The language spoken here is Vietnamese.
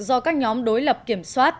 do các nhóm đối lập kiểm soát